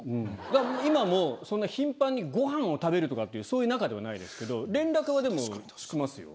だから今もそんな頻繁にごはんを食べるとかっていうそういう仲ではないですけど連絡はでもしますよ。